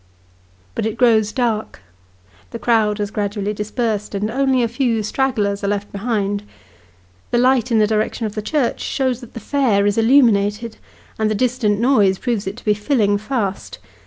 But it grows dark : the crowd has gradually dispersed, and only a few stragglers are left behind. The light in the direction of the church shows that the fair is illuminated ; and the distant noise proves it to be filling fast.